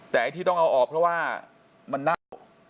แต่ไอ้ที่ต้องเอาออกเพราะว่ามันเน่า